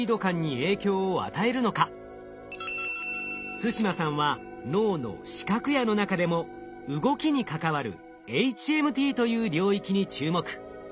對馬さんは脳の視覚野の中でも動きに関わるｈＭＴという領域に注目。